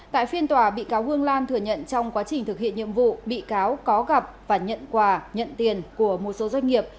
tại phiên tòa bị cáo hương lan thừa nhận trong quá trình thực hiện nhiệm vụ bị cáo có gặp và nhận quà nhận tiền của một số doanh nghiệp